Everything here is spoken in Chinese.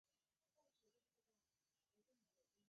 细野藤敦是日本战国时代于伊势国的豪族。